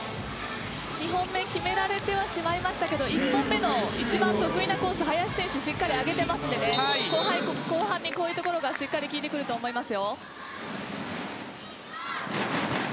２本目決められてはしまいましたけど１本目の一番得意なコースを林選手はしっかり上げたので後半にこういうところがしっかり効いてくると思います。